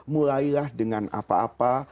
mulailah dengan apa apa